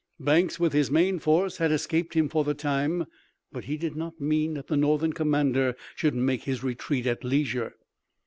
Banks with his main force had escaped him for the time, but he did not mean that the Northern commander should make his retreat at leisure.